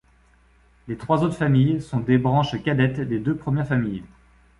Les trois autres familles sont des branches cadettes des deux premières familles.